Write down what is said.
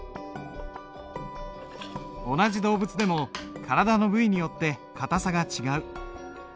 同じ動物でも体の部位によって硬さが違う。